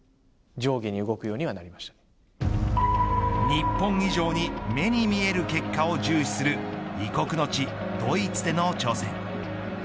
日本以上に目に見える結果を重視する異国の地、ドイツでの挑戦。